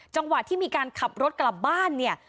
จังหวะที่มีการขับรถกลับบ้านเนี่ย